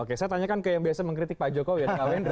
oke saya tanyakan ke yang biasa mengkritik pak jokowi ya kak wendra